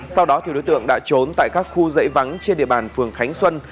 sau đó đối tượng đã trốn tại các khu dãy vắng trên địa bàn phường khánh xuân